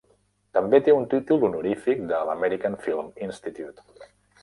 També té un títol honorífic de l'American Film Institute.